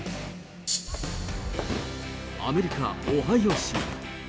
アメリカ・オハイオ州。